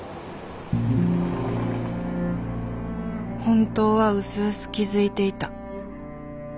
本当はうすうす気付いていた。